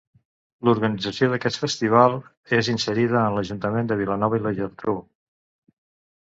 L'organització d'aquest festival és inserida en l'Ajuntament de Vilanova i la Geltrú.